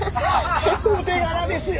お手柄ですよ！